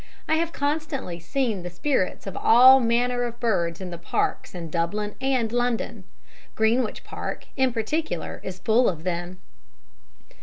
I have constantly seen the spirits of all manner of birds in the parks in Dublin and London. Greenwich Park, in particular, is full of them.